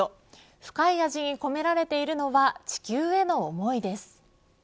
深い味に込められているのは地球への思いです。